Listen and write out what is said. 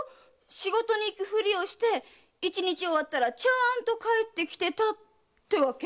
仕事に行く振りをして一日が終わったらちゃんと帰ってきてたってわけ？